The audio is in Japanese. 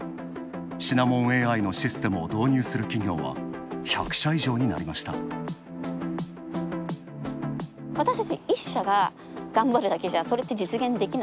シナモンＡＩのシステムを導入する企業は１００社以上になりました。